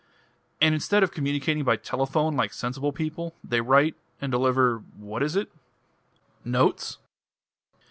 And instead of communicating by telephone, like sensible people, they write and deliver what is it?" "Notes?"